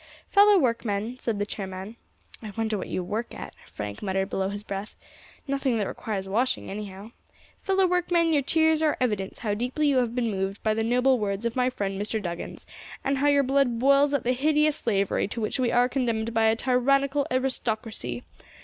"Fellow workmen," said the chairman ("I wonder what you work at," Frank muttered below his breath; "nothing that requires washing, anyhow.") "Fellow workmen, your cheers are evidence how deeply you have been moved by the noble words of my friend Mr. Duggins, and how your blood boils at the hideous slavery to which we are condemned by a tyrannical aristocracy.